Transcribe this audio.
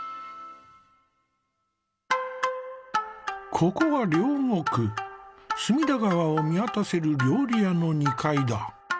ここは両国隅田川を見渡せる料理屋の２階だ。